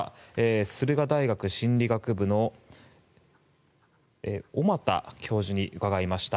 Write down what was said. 駿河台大学心理学部の小俣教授に伺いました。